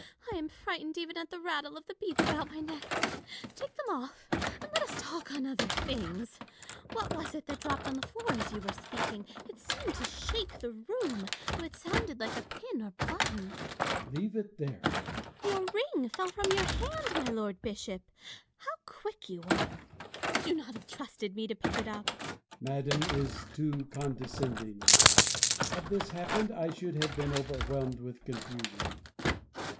I am frightened even at the rattle of the beads about my neck : take them off, and let us talk on other things. What was it that dropped on the floor as you were speaking % It seemed to shake the room, though it sounded like a pin or button. Bossuet. Leave it there ! Fontanges. Your ring fell from your hand, my Lord Bishop ! How quick you are ! Could not you have trusted me to pick it up ? Bossuet. Madame is too condescending : had this hap pened, I should have been overwhelmed with confusion.